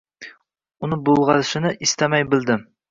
Uni bulg’ashini istamay bildim.